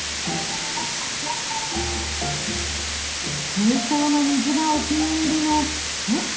水槽の水がお気に入りのつ。